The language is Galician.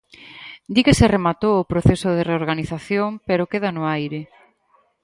Di que se rematou o proceso de reorganización pero queda no aire.